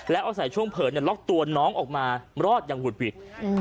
แล้วเอาใส่ช่วงเผลินล็อกตัวน้องออกมารอดอย่างหุดหวิด